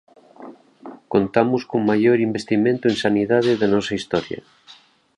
Contamos co maior investimento en sanidade da nosa historia.